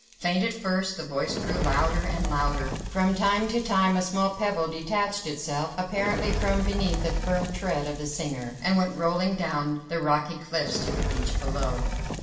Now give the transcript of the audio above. Faint at first, the voice grew louder and louder; from time to time a small pebble detached itself apparently from beneath the firm tread of the singer, and went rolling down the rocky cliffs to the beach below.